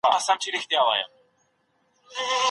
اردو او پنجابي ژبو او په سعودي عربستان او اماراتو